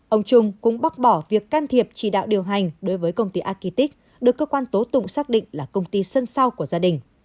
ông trung cũng bác bỏ việc can thiệp chỉ đạo điều hành đối với công ty aqitic được cơ quan tố tụng xác định là công ty sân sau của gia đình